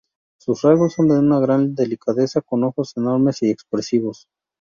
Sus rasgos son de una gran delicadeza, con ojos enormes y expresivos.